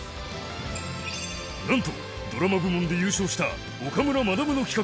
なんとドラマ部門で優勝した岡村学の企画